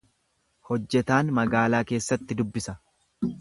Hojjetaan magaalaa keessatti dubbisa.